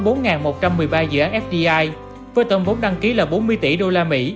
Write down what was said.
trong một mươi ba dự án fdi với tổng vốn đăng ký là bốn mươi tỷ usd